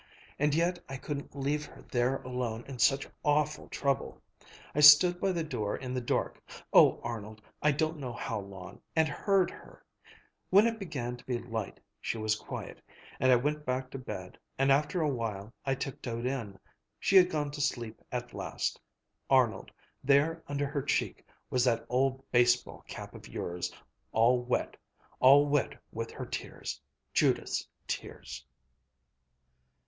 And yet I couldn't leave her there alone in such awful trouble. I stood by the door in the dark oh, Arnold, I don't know how long and heard her When it began to be light she was quiet, and I went back to bed; and after a while I tiptoed in. She had gone to sleep at last. Arnold, there under her cheek was that old baseball cap of yours ... all wet, all wet with her tears, Judith's tears."